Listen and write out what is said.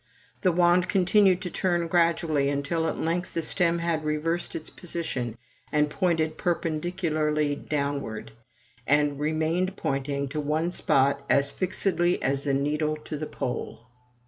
The wand continued to turn gradually, until at length the stem had reversed its position, and pointed perpendicularly downward, and remained pointing to one spot as fixedly as the needle to the pole.